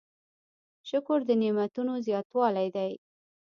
شکر د نعمتونو زیاتوالی دی.